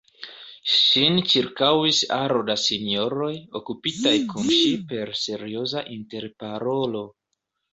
Ŝin ĉirkaŭis aro da sinjoroj, okupitaj kun ŝi per serioza interparolo.